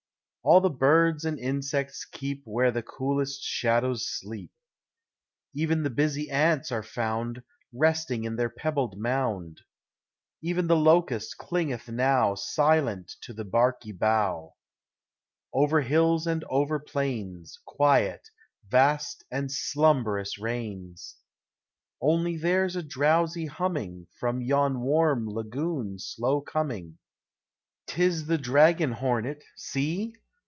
All the birds and insects keep Where the coolest shadows sleep ; Even the busy ants are found Resting in their pebbled mound; Even the locust clingeth now Silent to the barky bough : Over hills and over plains LIGHT: DAY: NIGHT. 45 Quiet, vast and slumbrous, reigns. Only there 's a drowsy humming From yon warm lagoon slow coming: >T is the dragon hornet— see